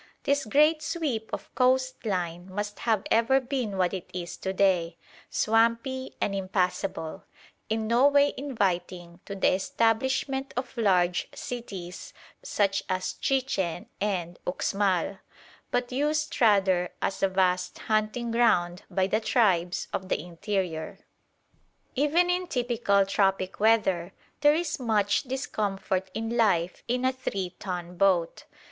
This great sweep of coastline must have ever been what it is to day swampy and impassable; in no way inviting to the establishment of large cities such as Chichen and Uxmal, but used rather as a vast hunting ground by the tribes of the interior. Even in typical tropic weather there is much discomfort in life in a three ton boat.